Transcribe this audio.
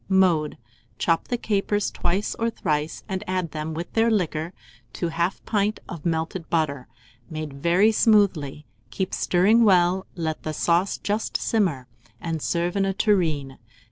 Mode. Chop the capers twice or thrice, and add them, with their liquor, to 1/2 pint of melted butter, made very smoothly; keep stirring well; let the sauce just simmer, and serve in a tureen.